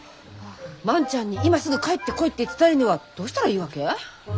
万ちゃんに今すぐ帰ってこいって伝えるにはどうしたらいいわけ？